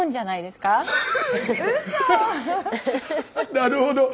なるほど。